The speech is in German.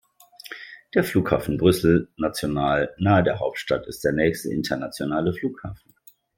Der Flughafen Brüssel National nahe der Hauptstadt ist der nächste internationale Flughafen.